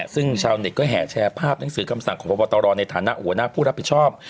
ซึ่งชาวเน็ตก็แห่แชร์ภาพหนังสือคำสั่งของพบตรในฐานะหัวหน้าผู้รับผิดชอบ